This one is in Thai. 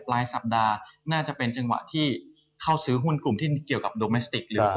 รายสัปดาห์น่าจะเป็นจังหวะที่เข้าซื้อหุ้นกลุ่มที่เกี่ยวกับโดแมสติกหรือ